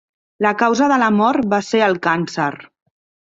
La causa de la mort va ser el càncer.